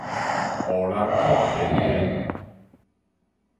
予人看現現